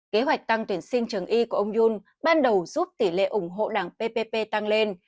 kế hoạch tăng tuyển sinh trường y của ông yun ban đầu giúp tỷ lệ ủng hộ đảng ppp tăng lên